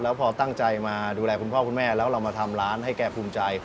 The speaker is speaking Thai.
แล้วพอตั้งใจมาดูแลคุณพ่อคุณแม่แล้วเรามาทำร้านให้แกภูมิใจ